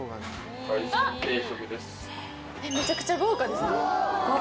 めちゃくちゃ豪華ですね。